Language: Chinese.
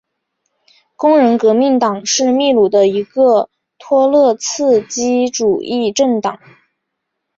工人革命党是秘鲁的一个托洛茨基主义政党。